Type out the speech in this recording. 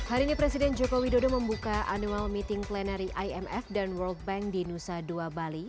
hari ini presiden joko widodo membuka annual meeting plenary imf dan world bank di nusa dua bali